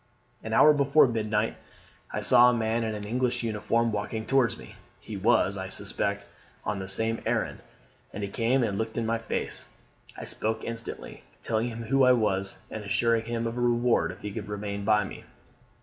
"An hour before midnight I saw a man in an English uniform walking towards me. He was, I suspect, on the same errand, and he came and looked in my face. I spoke instantly, telling him who I was, and assuring him of a reward if he would remain by me.